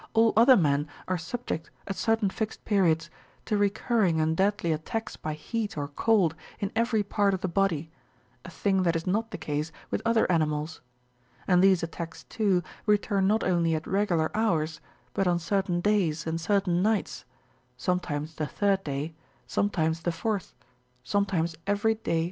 all other men are sub ject, at certain fixed periods, to recurring and deadly attacks by heat or cold, in every part of the body, a thing that is not the case with other animals ; and these attacks, too, return not only at regular hours, but on certain days and certain nights — sometimes the third day, sometimes the fourth, sometimes every day throughout the year.